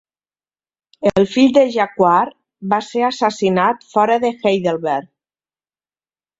El fill de Jacquard va ser assassinat fora de Heidelberg.